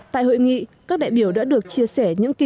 tại hội nghị các đại biểu đã được chia sẻ những kỹ thuật